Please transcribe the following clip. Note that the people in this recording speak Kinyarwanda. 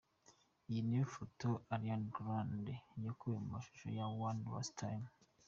Iyi ni ifoto ya Ariana Grande yakuwe mu mashusho ya One Last Time.